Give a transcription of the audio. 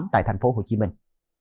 tại thành phố hồ chí minh